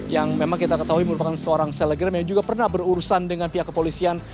yang memang kita ketahui merupakan seorang selegram yang juga pernah berurusan dengan pihak kepolisian